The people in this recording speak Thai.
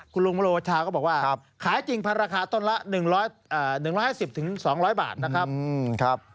คุณลุงโลชาก็บอกว่าขายจริงพันราคาต้นละ๑๕๐๒๐๐บาทนะครับ